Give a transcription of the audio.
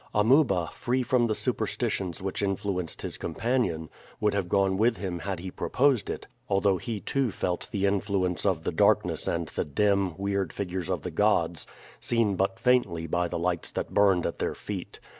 Amuba, free from the superstitions which influenced his companion, would have gone with him had he proposed it, although he too felt the influence of the darkness and the dim, weird figures of the gods, seen but faintly by the lights that burned at their feet.